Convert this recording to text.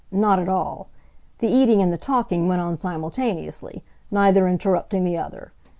Not at all. The eating and the talking went on simultaneously, neither interrupting the other.